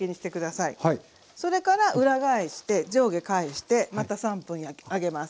それから裏返して上下返してまた３分揚げます。